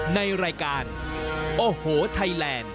ในรายการโอ้โหไทยแลนด์